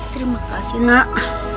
terima kasih nak